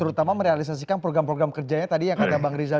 terutama merealisasikan program program kerjanya tadi yang kata bang rizal